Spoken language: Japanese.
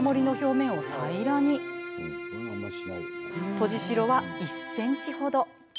とじしろは１ｃｍほど。